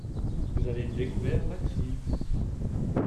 Vous avez découvert la crise.